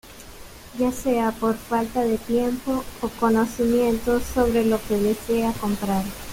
Ya sea por falta de tiempo o conocimiento sobre lo que desea comprar.